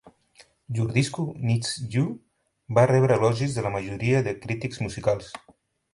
"Your Disco Needs You" va rebre elogis de la majoria de crítics musicals.